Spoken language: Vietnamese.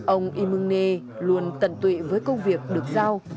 ông y mưng nê luôn tận tụy với công việc được giao